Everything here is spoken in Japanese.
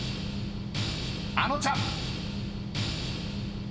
［あのちゃん］